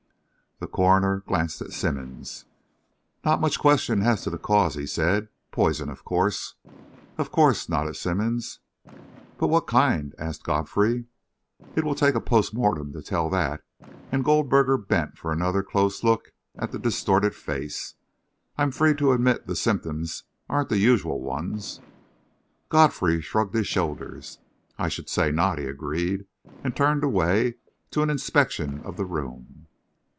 The coroner glanced at Simmonds. "Not much question as to the cause," he said. "Poison of course." "Of course," nodded Simmonds. "But what kind?" asked Godfrey. "It will take a post mortem to tell that," and Goldberger bent for another close look at the distorted face. "I'm free to admit the symptoms aren't the usual ones." Godfrey shrugged his shoulders. "I should say not," he agreed, and turned away to an inspection of the room.